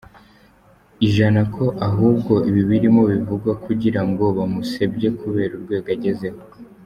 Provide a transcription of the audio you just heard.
ijana ko ahubwo ibi birimo bivugwa kugira ngo bamusebye kubera urwego agezeho.